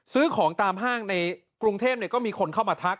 ซื้อของตามห้างในกรุงเทพก็มีคนเข้ามาทัก